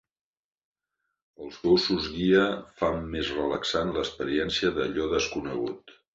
Els gossos guia fan més relaxant l'experiència d'allò desconegut.